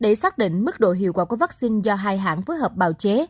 để xác định mức độ hiệu quả của vaccine do hai hãng phối hợp bào chế